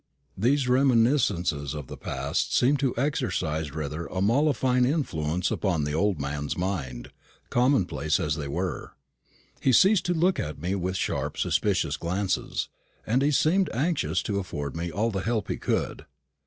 These reminiscences of the past seemed to exercise rather a mollifying influence upon the old man's mind, commonplace as they were. He ceased to look at me with sharp, suspicious glances, and he seemed anxious to afford me all the help he could.